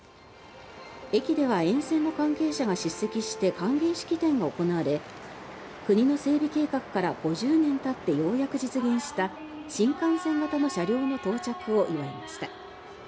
駅では沿線の関係者が出席して歓迎式典が行われ国の整備計画から５０年たってようやく実現した新幹線型の車両の到着を祝いました。